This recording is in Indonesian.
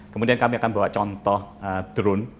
kemudian kami akan bawa contoh drone